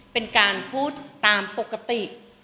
เป็นการพูดตามปกติ